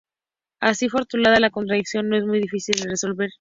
Así formulada, la contradicción no es muy difícil de resolver.